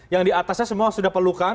yang di atasnya semua sudah pelukan